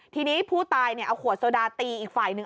ทีนี้ผู้ตายเอาขวดโซดาตีอีกฝ่ายหนึ่ง